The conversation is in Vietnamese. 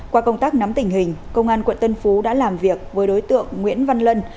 qua công tác nắm tình hình công an quận tân phú đã làm việc với đối tượng nguyễn văn lân